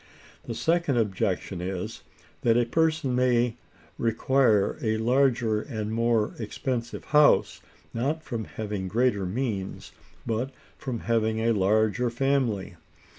The second objection is, that a person may require a larger and more expensive house, not from having greater means, but from having a larger family.